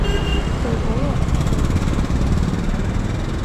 Тый воло, мый изиш чакнем.